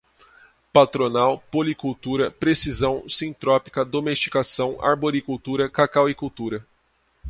patronal, policultora, precisão, sintrópica, domesticação, arboricultura, cacauicultura